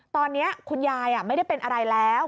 ตอนนี้คุณยายไม่ได้เป็นอะไรแล้ว